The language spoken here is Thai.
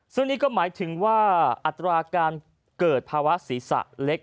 ซึ่งนี่ก็หมายถึงว่าอัตราการเกิดภาวะศีรษะเล็ก